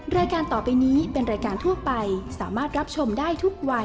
รายการต่อไปนี้เป็นรายการทั่วไปสามารถรับชมได้ทุกวัย